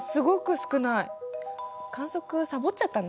観測さぼっちゃったの？